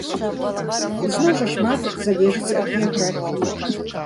І зноў жа шмат залежыць ад геаграфіі.